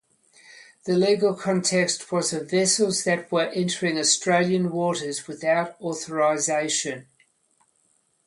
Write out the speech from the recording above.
The legal context was of vessels that were entering Australian waters without authorisation.